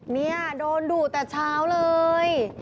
เนี่ยโดนดุแต่เช้าเลย